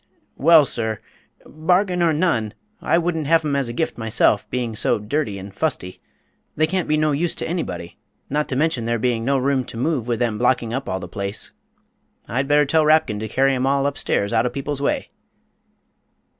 "Well, sir, bargain or none, I wouldn't have 'em as a gift myself, being so dirty and fusty; they can't be no use to anybody, not to mention there being no room to move with them blocking up all the place. I'd better tell Rapkin to carry 'em all upstairs out of people's way."